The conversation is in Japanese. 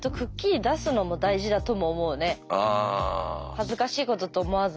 恥ずかしいことと思わず。